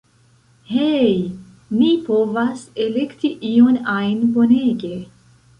Hej' ni povas elekti ion ajn, bonege